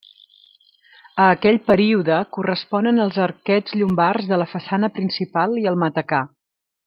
A aquell període corresponen els arquets llombards de la façana principal i el matacà.